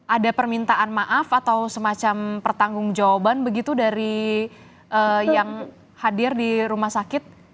ada permintaan maaf atau semacam pertanggung jawaban begitu dari yang hadir di rumah sakit